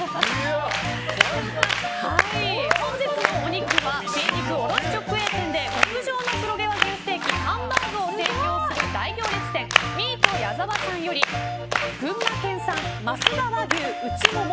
本日のお肉は、精肉卸直営店で極上の黒毛和牛ステーキハンバーグを提供する大行列店ミート矢澤さんより群馬県産・増田和牛内モモ